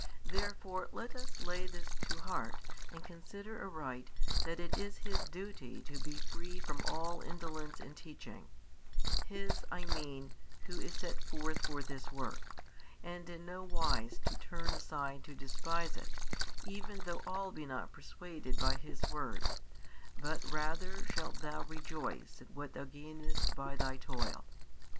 Therefore let us lay this to heart and consider aright that it is his duty to be free from all indolence in teaching, his I mean who is set forth for this work, and in no wise to turn aside to despise it, even though all be not persuaded by his words, but rather shalt thou rejoice at what thou gainest by thy toil.